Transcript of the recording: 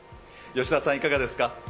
芳田さん、いかがですか。